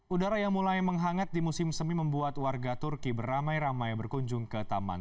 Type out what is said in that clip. udara yang mulai menghangat di musim semi membuat warga turki beramai ramai berkunjung ke taman